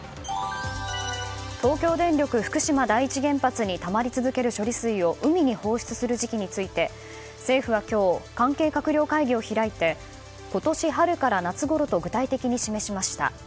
東京電力福島第一原発にたまり続ける処理水を海に放出する時期について政府は今日関係閣僚会議を開いて今年春から夏ごろと具体的に示しました。